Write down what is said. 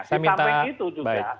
sampai itu juga